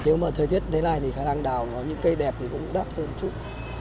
nếu mà thời tiết thế này thì khả năng đào những cây đẹp thì cũng đắt hơn chút